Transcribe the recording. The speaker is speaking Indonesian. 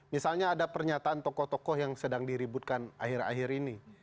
misalnya ada pernyataan tokoh tokoh yang sedang diributkan akhir akhir ini